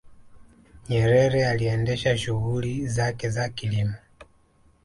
nyerere aliendesha shughuli zake za kilimo